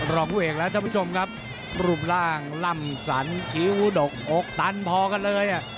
รองผู้เอกแล้วท่านผู้ชมครับรูปร่างล่ำสันคิ้วดกอกตันพอกันเลย